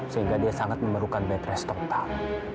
sehingga dia sangat memerlukan bed rest total